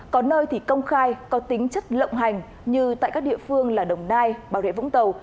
có nơi công khai có tính chất lộng hành như tại các địa phương đồng nai bảo đệ vũng tàu